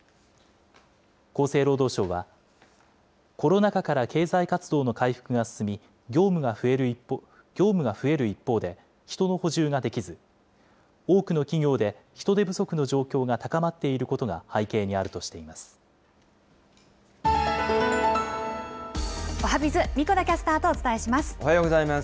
厚生労働省は、コロナ禍から経済活動の回復が進み、業務が増える一方で、人の補充ができず、多くの企業で人手不足の状況が高まっていることが背景にあるとしおはＢｉｚ、おはようございます。